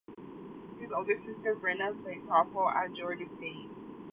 His older sister Brenna played softball at Georgia State.